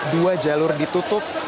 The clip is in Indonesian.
dua jalur ditutup